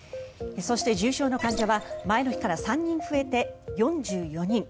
そして、重症の患者は前の日から３人増えて４４人。